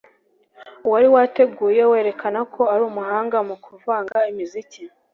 uwari wateguye werekana ko ari umuhanga mu kuvanga imiziki